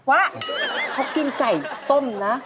ว่าเขากินไก่ต้มนะ